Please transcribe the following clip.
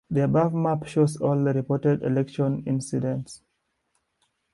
The above map shows all reported election incidents.